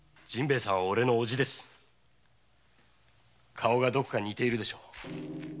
顔がどこか似ているでしょう。